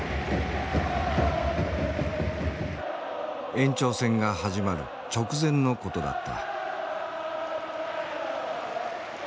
延長戦が始まる直前のことだった。